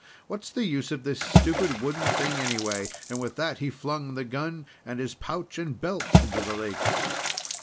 What's the use of this stupid wooden thing, anyway?" With that he flung the gun and his pouch and belt into the lake.